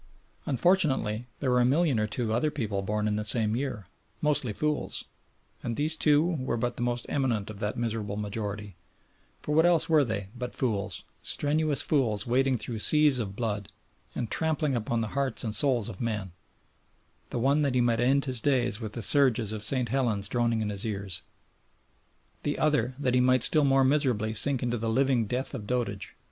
Unfortunately there were a million or two of other people born in the same year, "mostly fools," and these two were but the most eminent of that miserable majority, for what else were they but fools, strenuous fools wading through seas of blood, and trampling upon the hearts and souls of men, the one that he might end his days with the surges of St. Helena droning in his ears, the other that he might still more miserably sink into the living death of dotage?